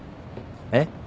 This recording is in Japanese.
えっ？